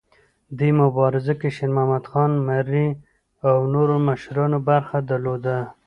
دې مبارزه کې شیرمحمد خان مري او نورو مشرانو برخه درلوده.